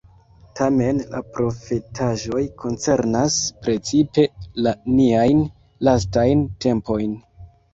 Tamen la profetaĵoj koncernas precipe la niajn lastajn tempojn.